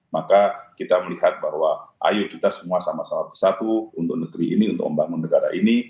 maka kita melihat bahwa ayo kita semua sama sama bersatu untuk negeri ini untuk membangun negara ini